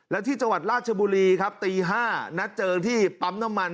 และที่จังหวัดราชบุรีครับตี๕นัดเจอกันที่ปั๊มน้ำมัน